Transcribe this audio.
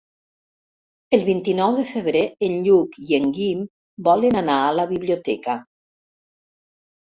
El vint-i-nou de febrer en Lluc i en Guim volen anar a la biblioteca.